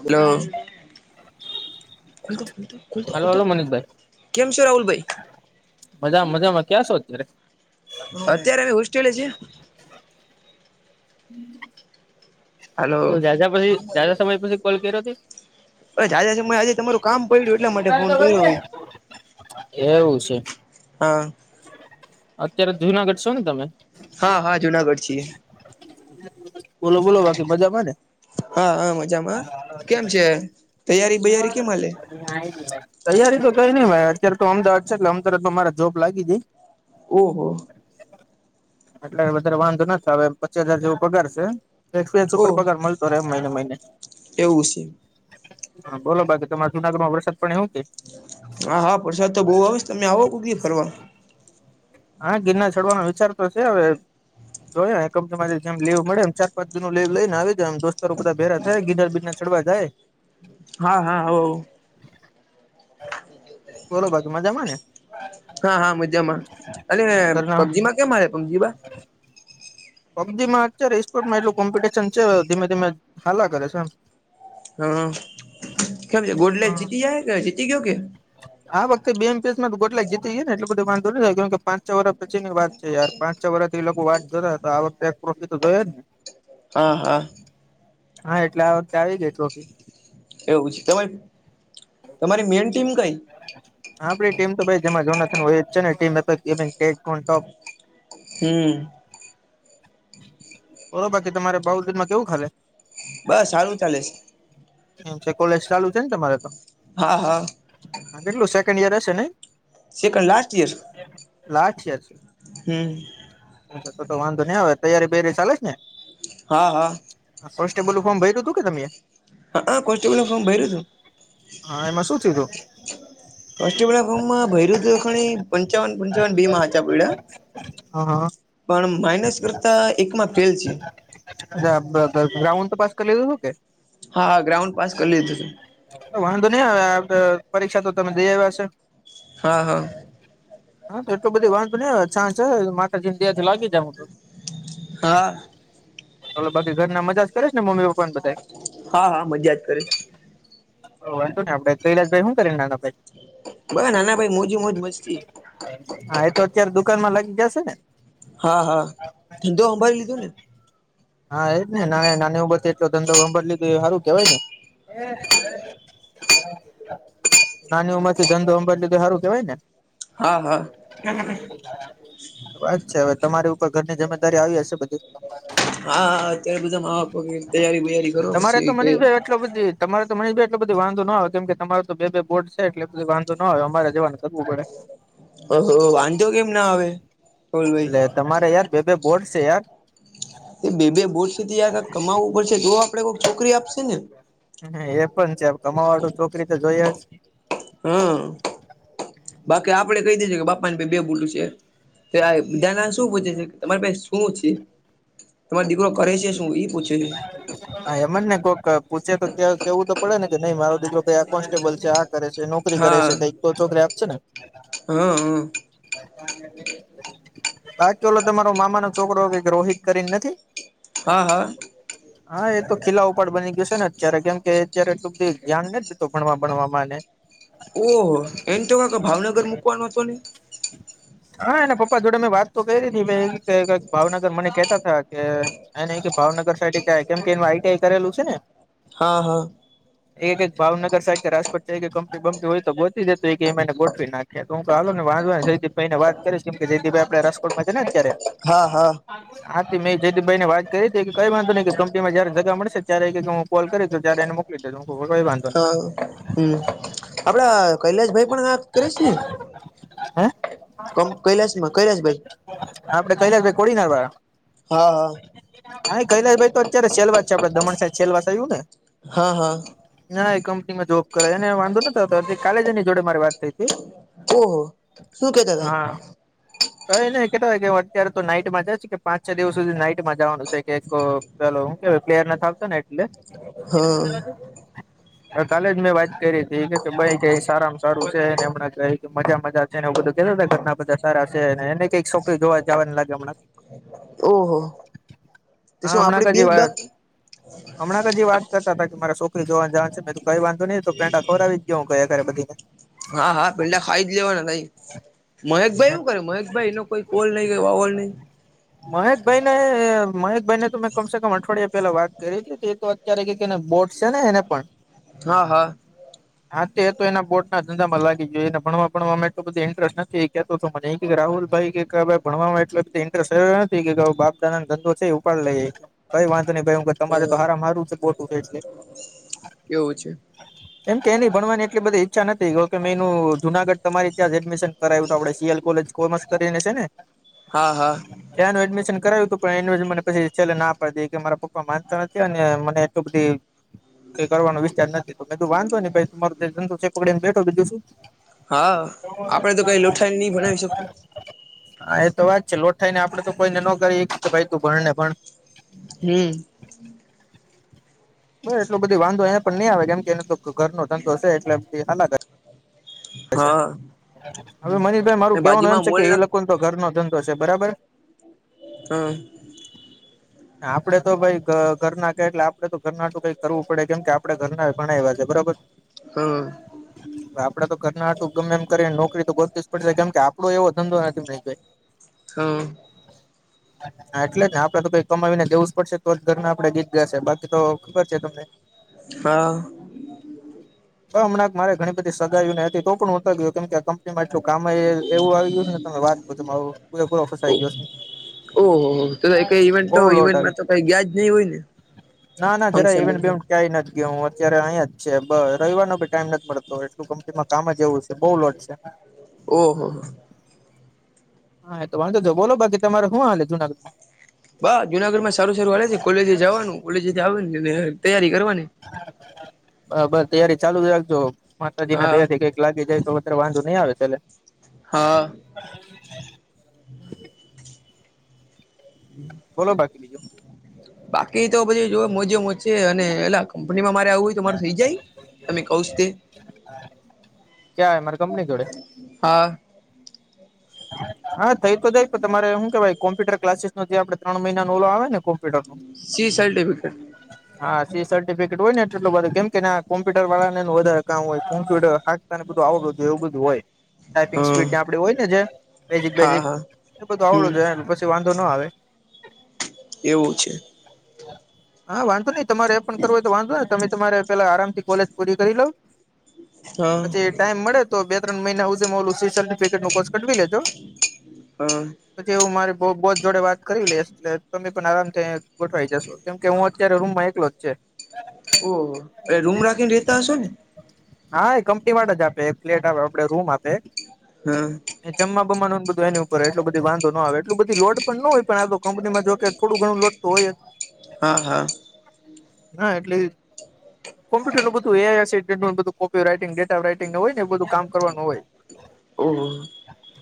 Hello ખોલતો ખોલતો hello ખોલતો હલો મનીષભાઈ કેમ છો રાહુલ ભઈ? મજામાં મજામાં ક્યા શો અત્યારે? અત્યારે અ હોસ્ટેલે જ છે. હમમ. હલો ઓ ઝા ઝાઝા સમય પછી કોલ કર્યો તે જાજા સમય આજે તમારું કામ પડ્યું એટલા માટે ફોન કર્યો હોય એવું છે. હા. અત્યારે જુનાગઢ છો ને તમે? હા હા જુનાગઢ છીએ. બોલો બોલો. બાકી મજામાં ને? હા હા મજામાં કેમ છે તૈયારી બૈયારી કેમ હાલે તૈયારી તો કઈ ની ભાઈ અત્યારે તો અમદાવાદ છે એટલે અમ તારે તો મારે જોબ લાગી ગઈ. ઓહો. એટલે વધારે વાંધો નથ આવે પચી હજાર જેવો પગાર છે. એક્સપીરિયનસ ઓ ઉપર પગાર મળતો રેય મહિને મહિને. એવું છે હા બોલો બાકી તમારે જૂનાગર માં વરસાદ પાણી એવું. કે હા હા વરસાદ તો બો આવે છે તમે આવો કોક દી ફરવા. હા ગિરના ચડવાનો વિચારતો છે હવે જો યે કંપનીમાં જેમ લીવ મળે એમ ચાર પાંચ દી નો લીવ લઈને આવી જવ દોસ્તાર બધા ભેગા થાય ગીરનાર બીના ચડવા જાયે. હા હા આવો બોલો બાકી મજામાં ને હા હા મજામાં અને ઘરના પબજી માં કેમ મારે પબજીમાં [inaudible] પબજીમાં અત્યારે સપોર્ટમાં એટલું કોમ્પિટિશન છે ધીમે ધીમે હાલા કરે છે એમ. હા કેમ છે ગોડલે જીતી જાય કે જીતી ગયો કે? આ વખતે બે એમપેચમાં ગોટલેક જીતી ગયો ને એટલો બધો વાંધો ની આયો કેમકે પાંચ છ વરષ પછી ની વાત છે યાર પાંચ છ વરષ થી એ લોકો વાટ જોતા તો આ વખતે ટ્રોફી તો જોઈ જ ને. હા હા. હા એટલે આ વખતે આવી ગય ટ્રોફી. એવું છે ત તમારી મેન ટીમ કઈ? હા આપડી ટીમ તો ભાઈ જેમાં જોના થી હોય જ છે ને ટીમ. એક હમ [unintelligible] બોલો બાકી તમારે બાઉદનમાં કેવુંક હાલે? બસ સારું ચાલે છે. એમ છે કોલેજ ચાલુ છે ને તમારે તો હા હા હ કેટલું સેકન્ડ ઈયર હશે ને સેકન્ડ લાસ્ટ ઈયર લાઠી છે હમ અચ્ા તો વાંધો નહીં આવે તયારીૈયારી ચાલે છે ને હા હા કોન્સ્ટેબલ નું ફોમ ભરયું હતું કે તમે હા હ કોબલ ફોમ ભર્યું હા એમાં શું થયું તું છું ભ પંચાવન પંચન બે માં સાચા પ્યા હા હા પણ માઇનસ કરતા એકમાં ફેલ છે ગ્રાઉન્ડ તો પાસ કરી લેધો હતો કે હા ગ્રાઉન્ડ પાસ કરી લીધું છેું વાંધો નહી આવે પરીક્ષા તો તમે જઈ આવ્યા હા હા છે હા તો એટલું બધી વાંધો નહી છા છે થી લાગી જ હા તો બાકી ઘર ના મજા કરે છે ને મમ્મી પપ્પા ને બધા હા હા મજા જ કરે વાંધુ ને આપડે કૈલાજભાઈ શું કરીને નાના ભાઈ બ નાના ભાઈ મોજ મોજ મસ્તી હા એ તો અત્યારે દુકાનમાં લાગી જશે ને હા હા ધંધો સંંભાળી લીધો ને હા એજ ને નાની નાની ઉપરથી એટલો ધંધો ગભર લીધો એ સારું કેવાય ને નાની ઉંમર થી ધંધો ઉંમર લધ સારું કેવાય ને હા હા કે વાત છે હવે તમારી ઉપર ઘરની જિમેદારી આવી હશે બધી હાા અત્યારે બધા માો કે તૈયારી બૈયારી કરો તમારે પછી તો કે મનીષભાઈ એટલો બધું તમારે તો મને ભી એટલો બધું વાંધો ના આવેય કેમ કે તમારો તો બે બોટ છે એટલે બધું વાંધો ન આવે અમારે જવાનું કરવું પડે ઓહો વાંધો કેમ ના આવે રાહુલભાઈ એટલે તમારે યાર બે બે બોર્ડ છે યાર એ બે બે બોર્થી કમાવવું પડશે તો આપડે કોક છોકરી આપશે ને હ એ પણ છે કમાવાળું છોકરી તો જોઈએ જ હા બાકી આપડે કહી દેજ કે બાપા ને ભ બે બુલું છે ધના શું પૂછે છે કે તમારી પાસે શું છે તમારો દીકરો કરે છે શું પછનેહી હા એમને ને કોઈક પૂછે તો કેવું તો પડે ને કે નઈ મારો દીરો આ કોન્સ્ટેબલ છે આ કરે છે નોકરી કરે હા છે કઈક તો છોકરી આપ છે ને હા હ બાકી ઓલો તમારો મામાનો છોકરો કઈક રોહિત કરીને નથી હા હા હા એ તો ખીલા ઉપાડ બની ગયું છે ને અત્યારે કેમ કે અત્યારે એટલું બધી ધ્યાન ન દીધું ભણવા ભણવાવામાંને ઓહ એમ તો ક ભાવનગર મૂકવાનો હતો ને હા એના પપ્પા જોડે મેં વાત તો કરી હતી ભાવનગર મને કેતા થયા કે એ ન કે ભાવનગર સા ક કેમ કે એઈ કરેલું છે ને હા હા એક એક ભાવનગર સાઈડ કે રાજકોટ સા કંપની બંપ હોય તો ગોતી જ એ એને ગોઠવી નાખ એ ત કા ને ભાઈને વાત કરીશ કેમ કે દદીભાઈ આપે રાજકોટમાં છે ને અત્યારે હા હા હાથી મેં જયતીભાઈ ની વાત કરી હતી કઈ વાંધતો નઈ કે કંપનીમાં જયારે જગા મળશે ત્યારે એક હું કોલ કરી જારે એને મોકલી દેજ હ કઈ વાંધો નહી હા હમ આપડા કૈલાસ ભાઈ પણ કરીશ ને હે કમ કૈલાશમાં કૈલાશભાઈ આપડે ક લ ભાઈ કોડીનાર વા હા હા હા કૈલાશ ભાઈ તો અત્યારે સેલવાસ છે આપડે દમણ સાાઈબ સેલવાસ આવ્યું ને હા હા ના એ કંપનીમાં જોબ કરાય એને વાંધો નતો કાલેજ એની જોડે મારી વાત થઈ હતી ઓહ હા ક એ નને કેતા હોય કે હ અત્યારે તો નાઈટમાં જાયશ કે પાંચ છ દિવસ સુધી નાઈટમાં જવાનું છે કે એક પેલો હું કે પ્લેયર નેાવતો ને એ હા હ કાલે જ મેં વાત કરી હતી એ કે ભાઈ કે સારામાં સારું છે ને એમને ક મજા મજા છે ને એ બધ ઘરના બધા સારા છે અને એને કઈક છોકરી જોવા જવા લાગે હમણાં ઓહો તો હા શું હમણાં આપડે બે કજી જ વાત બાકી હમણાં જ જે એ વાત કરતા હતા કે મારા છોકરી જોવા જવા છે કઈ વાંધો નઈિ તો પેન્ટા ખવર આવી જ ગયો હું કયા ઘ બધીને ફાઈદ લેવાના થઈ મહેકભાઈ શું કરે મહેકભાઈ એનો કોઈ કોલ નહી વાવોલ નહી મહેકભાઈ ને મહેકભાઈને તો મેં કમસે કમ અઠવાડિયા પેલા વાત કરી હતી અ્યારે કેને બોટ છે ને એને પણ હા હા હા તે તો એના બોટ ના ધંધામાં લાગી ગય એને ભણવા ભણવામાં એલ બધ ઇન્ટરેસ્ટ નથી તો મને એ કે રાહુલ ભાઈ કેાઈ ભણવામાં એટલે બ ઇન્ટરેસ્ટ નથી કે બાપદાનાને ધંધો છે એ ઉપાડ લઈે કઈ વાંધ નઈ ભાઈ હ તમારે તો હાર મારું છે બટું છે એટલે એવું છે એમ કે એની ભણવાની એટલી બધી ઈચ્છા નથીતી કે મે એનું જુનાગઢ તમારી ત્યાં એડમિશન કર આવ્યું આપણે સીએલ કોલે કોમસ કરીને છે ને હા હા ત્યાંનું એડમિશન કરાવ્યું હતું પણ એડિશન મને પછી છેલ્લે ના પડ દ કે મારા પપ્પા માનતા નથી અને મને થી કઈ કરવાનો વિસ્ચાર નથી તો મે તો વાંધતો નને ભાઈ તમારરો જે જંતુ છે એ પકડીને બેઠો દીધુંું હા આપડે તો કઈ લોઠાઈ નહી બનાવી શકું હા એ તો વાત છે લોઠાઈ ને આપડે તો કોઈને ન કરી કે ભાઈ તું ભણને ભણ હમ એટલો બધી વાંધો એને પણ નહી આવે કેમ કે એનો તો ઘરનો ધંધો છે એટલે બધી હાલા હા અ હવે મનીષભાઈ મારું અને કેવાનું એમ બાજુમાં છે કે મોલ એ ના લોકો તો ઘર નો ધંધો છે બરાબર હા આપડે તો ભાઈ ઘરના કે એટલે આપડે તો ઘરનાું કઈ કરવું પડે કેમ કે આપડ ઘરના ઘણા એવા છે બરોબર હા આપડે તો નાું ગમે એમ કરી નોકરી તો કરતી જ પડશે કેમ કે આપડો એવો ધંધો નથી નહી હા હા એટલે જને આપડે તો કઈ કમાવીને દેવું જ પડશે તો જ ઘરના આપડે જીત ગયા છે બાકી તો ખબર છે તમને હા હમણાક મારે ઘણી બધી સગાઈ ને હતી તો પણ હુંતો ગયો કેમકે છું કામ એવું આવી ગું છે ને તમે વાત કરો તમા પૂરેપૂરો ફસ આ આવી ગયો ઓહ હો તો કઈ ઇવેન્ટ બહુ લોડ આવી ઇવેન્ટમાં તો કઈ ગયાજ નહીં હોય ને ના ના જરા ફંક્શન એવેન્ટ બેવ બંક્શન ક્યાય નથી જ ગયો હ અત્યારે અહીં જ છે રવાનો ભી ટાઈમ નથી મળતો એટલું કંપનીમાં કામ જ એવું છે બઉુ લોટ છે ઓહ હા, તો વાંધો તો બોલો. બાકી તમારે શું હાલે જુનાગઢમાં? બાહ, જુનાગઢ માં સારું સારું છે. હા, કોલેજ જવાનું, કોલેજ આવે નેને તૈયારી કરવાની. બબસ, તૈયારી ચાલુ જ રાખજો. માતાજી ના હા દયા થી કંઈક લાગી જાય તો વધારે વાંધો નહી આવે, એટલે. હા. બોલો, બાકી બીજો. બાકી તો બધી જો મોજે મોજ. છે, અને એલા કંપનીમાં મારે આવું હોય તો મારે થઈ જાય. તમે કહીશ તે. ક્યાંય મારી કંપની જોડે. હા. હા, થઈ તો થઈ. તમારે શું કેવાય? કોમ્પ્યુટર ક્લાસીસ નથી આપણે ત્રણ મહિનાનો? આવે ને કોમ્પ્યુટર. C certificate. હા [unintelligible] હા, સી સર્ટિફિકેટ હોય ને એટલે બધા કેમ કે કોમ્પ્યુટ વાળા એ વધારે કામ હોય, કોમ્પ્યુટર. બધું આવું, બધું એવું, બધું હોય. ટાઈપિંગ હા સ્પીડ ને આપડે હોય ને, જે એ, હા હા એ બધું હમ આવડું જો, પછી વાંધો ના આવે. એવું છે. હા, વાંધો નઈ. તમારે એ પણ કરવું હોય તો વાંધો. તમે તમારે પેલા આરામથી કોલેજ પૂરી કરી લઉ, હા પછી. ટાઈમ મળે તો બે-ત્રણ મહિના, હું ઓલું સર્ટિફિકટ નો કોર્સ કરી લો. હા [unintelligible] પછી હું મારી બોધ જોડે વાત કરી લઈશ, એટલે તમે પણ આરામ થઈ. ગોઠવાઈ જશો, કેમ કે હું અત્યારે રૂમ માં એકલો જ છે. ઓહ, રૂમ રાખીને રેહેતા હસો ને? હા, એ કંપની માટે જ આપે. એક ફ્લેટ આપે, આપણે રૂમ આપે. હા [unintelligible] જમવા બમમાવાનું બધું એ ઉપર એટલો બધું વાંધો આવે એટલું બધી લો પણ ન હોય, પણ આ તો કંપમાં જો કે થોડું ઘણું લોડ. તોય. હા હા. હા, એટલે કોમ્પુટરનું બધું AI copy writing, data writing હોય, એ બધું કરવાનું હોય. ઓ.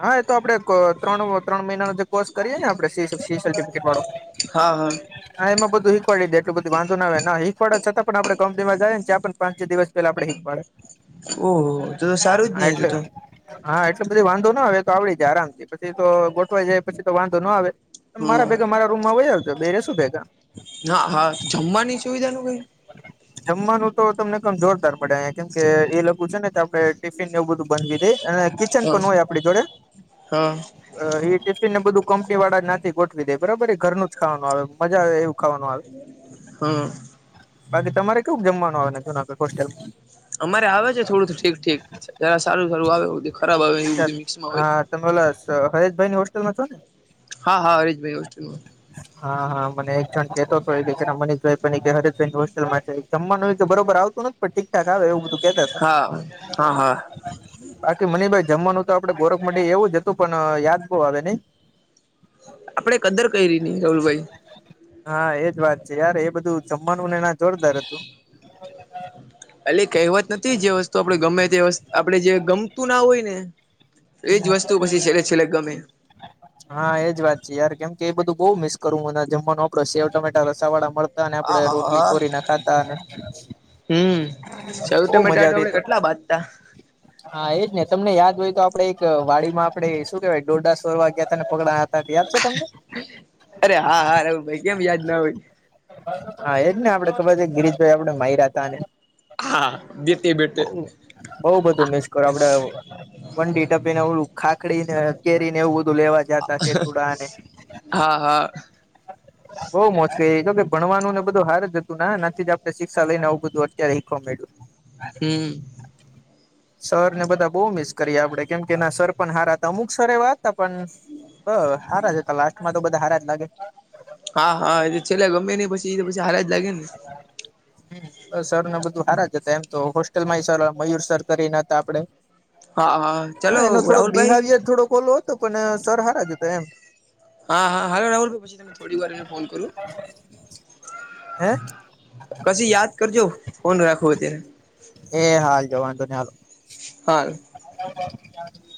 હા, એ તો આપડે ત્રણ-ત્રણ મહિનાનો જે કોર્ષ કરીએે ને આપડે તે. સફિકેટ વાળું. હા હા હ, એમાં બધું હીકવાડી દે. એટલું વાંધો આવે ના એક પણ. છતા પણ આપડે કંપનીમાં જાય ને ત્યાં પણ પાંચ-છ દિવસ. પેલા આપડે શીખવાડે, ઓહો તો તો સારું જ ને હા તો એટલે. તો હા, એટલે બધી વાંધો ના આવે. તો આવડી જાય આરામ થી પછી તો શીખવાઈ જાય પછી તો વાંધો ના આવે. મારા ભેગા હ મારા રૂમ માં વારજો, બે રસું ભેગા. ના, હા, જમવાની સુવિધા ની કંઈ. બ [unintelligible] જમવાનું તો તમને જોરદાર મળે, કેમ કે એ લખું છે ને કે આપણે ટિફિનને એવું બધું બાધી દે અને ન હા પણ હોય આપડી જોડે. હા અ એ ટિફિન ને બધું કંપની વાળા જ ના નથી ગોઠવી દે, બરાબર. એ ઘરનું જ ખાવાનું આવે, મજા આવે એવું. ખાવાનું આવે, હા બાકી તમારે કેવું જમવાનું આવે છે? [unintelligible] અમારે આવે છે, થોડું ઠીક-ઠીક. જરા સારું સારું આવે એવું છે. ખરાબ આવે અચ્છા, હા, તમેલા હરેશભાઈ ની હોસ્ટેલમાં છો ને? હા હા, હરેશભાઈ હોસ્ટલમાં. હા હા, મને એક જણ કેતો તોય કે એક દીકરો છે ઈ ને, મનીષભાઈ પણ હરેશભાઈની હોસ્ટેલમાં છે. જમવાનું હોય તો બરોબર આવતું નથી, પણ ઠીકઠાક આવે એવું બધું કેતા હતા. હા હા હા કે મનીષભાઈ, જમવાનું તો આપડે ગોરખ મંડ એવું જ હતું, પણ યાદ બઉ આવે નઈ. આપડે કદર કયરી ની રાહુલભાઈ. હા એજ વાત છે યાર એ બધું જમવાનું ને એના જોરદાર હતું. એલી કહેવત નથી જે વસ્તુ આપડે ગમે તે આપણે જે ગમતું ના હોય ને એજ વસ્તુ પછી છેલ્લે છેલ્લે ગમે. [inaudible] હા એજ વાત છે યાર કેમ કે એ બધું બઉ મિસ કરું હું અને જમવાનું આપડે સેવ ટમેટા રસા વાળા મગ અને આ આપડે હા રોટલી હા તોડી ને ખાતા અને હમ સેવ બહુ ટમેટા મજા હાટું આપડે આવતી કેટલા બાઝતા. હા એજ ને તમને યાદ હોય તો આપડે એક વાડીમાં આપડે શું કેવાય દોડા સોલવા ગયા તા ને [unintelligible] હતા યાદ છે તમને. અરે હા હા રાહુલભાઈ કેમ યાદ ના હોય હા એજ ને આપડે ખબર છે ગિરીશભાઈ આપડ ને માયરા તા ને હા બેઠે બેઠે બઉં બધું મિસ કરો આપડે વંડી ટપી ને ઓલુ ખાખડીને કેરી ને એવું બધું લેવા જતા છે કેસુડા ને હા હા. [inaudible] બઉ મોજ કરી હોકે ભણવાનું ને બધું હાર જ હતું ના નાથી આપડે શિક્ષા લઈને આવું બધું અત્યારે હીખવા મળ્યું. હમ. સર ને બધા બહુ મિસ કરીએ આપડે કેમ કે એનાં સર પણ હારા હતા અમુક સર એ વાત હતા પણ હ હારા જ હતા લાસ્ટમાં તો બધા હારા જ લાગે. હા હા એ છેલ્લા ગમે ને પછી એ પછી હારાજ લાગે ને [inaudible] બસ સરને બધું હારા જ હતા એમ તો હોસ્ટેલ માં સારા મયુર સર કરીને હતા આપડે હા હા હ ચાલો એનો થોડો રાહુલભાઈ બિહેવિયર થોડોક ઓલો હતો પણ સર હારા જતા એમ હા હા હા રાહુલ ભઈ પછી તમે થોડી વાર રઈને ફોન કરૂ હે. કછી યાદ કરજો ફોન રાખો અત્યારે. એ હાલ જવાનું તો નહિં હાલો. હાલ. [inaudible]